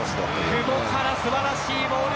久保から素晴らしいボール